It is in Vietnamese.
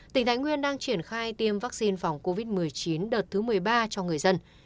tỉnh thái nguyên đang triển khai tiêm vaccine phòng covid một mươi chín đợt thứ một mươi ba cho người dân